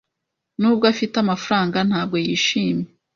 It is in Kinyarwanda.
Nubwo afite amafaranga, ntabwo yishimye.